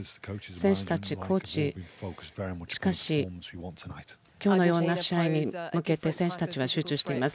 選手たち、コーチ、しかし今日のような試合に向けて選手たちは集中しています。